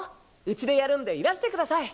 ウチでやるんでいらしてください。